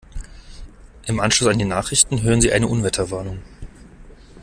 Im Anschluss an die Nachrichten hören Sie eine Unwetterwarnung.